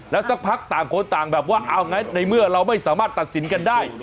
แล้วสักพักต่างคนต่างแบบว่าเอาไงในเมื่อเราไม่สามารถตัดสินกันได้